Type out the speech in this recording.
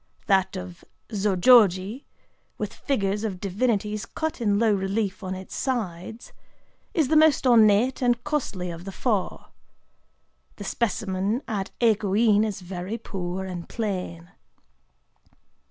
That of Zōjōji,—with figures of divinities cut in low relief on its sides,—is the most ornate and costly of the four. The specimen at Ekō In is very poor and plain.